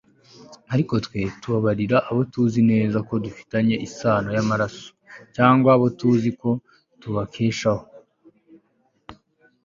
ariko twe tubabarira abo tuzi neza ko dufitanye isano y'amaraso cyangwa abo tuzi ko tubakeshaho